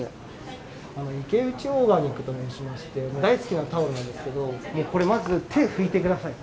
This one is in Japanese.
イケウチオーガニックと申しまして大好きなタオルなんですけどこれまず手拭いて下さい。